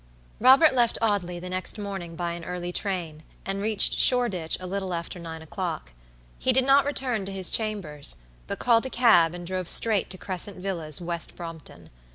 Robert left Audley the next morning by an early train, and reached Shoreditch a little after nine o'clock. He did not return to his chambers, but called a cab and drove straight to Crescent Villas, West Brompton.